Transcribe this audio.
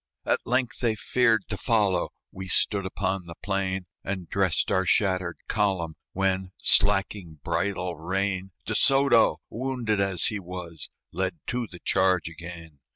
At length they feared to follow; We stood upon the plain, And dressed our shattered column; When, slacking bridle rein, De Soto, wounded as he was, Led to the charge again.